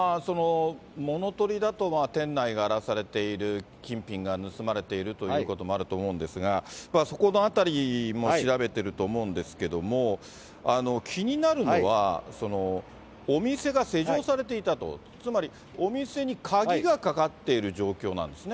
物とりだと店内が荒らされている、金品が盗まれているということもあると思うんですが、そこのあたりも調べていると思うんですけれども、気になるのは、お店が施錠されていたと、つまりお店に鍵がかかっている状況なんですね。